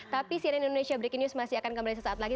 tapi cnn indonesia breaking news masih akan kembali